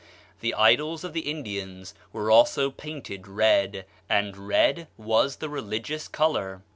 The idols of the Indians were also painted red, and red was the religious color.